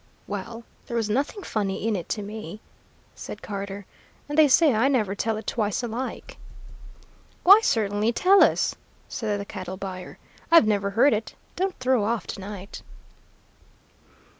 "Well, there was nothing funny in it to me," said Carter, "and they say I never tell it twice alike." "Why, certainly, tell us," said the cattle buyer. "I've never heard it. Don't throw off to night."